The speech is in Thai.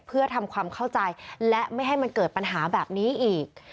เพื่อทำความเข้าใจและไม่ให้มันเกิดปัญหาแบบนี้อีก